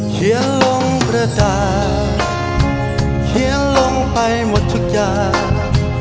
เขียนลงประจานเขียนลงไปหมดทุกอย่าง